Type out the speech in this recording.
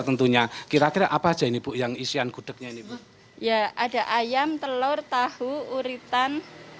tentunya kira kira apa aja ini bu yang isian gudegnya ini bu ya ada ayam telur tahu uritan